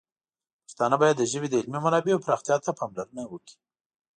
پښتانه باید د ژبې د علمي منابعو پراختیا ته پاملرنه وکړي.